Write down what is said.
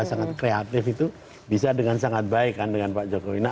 sangat kreatif itu bisa dengan sangat baik kan dengan pak jokowi